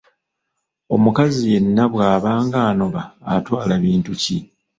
Omukazi yenna bw’aba ng’anoba atwala bintu ki?